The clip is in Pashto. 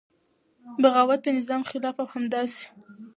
بغاوت د نظام خلاف او همداسې